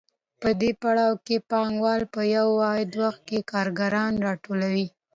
په دې پړاو کې پانګوال په یو واحد وخت کارګران راټولوي